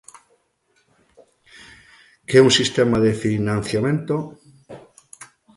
Que é un sistema de financiamento?